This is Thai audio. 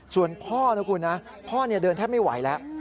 ส่วนพ่อนะคุณนะพ่อเดินแทบไม่ไหวแล้ว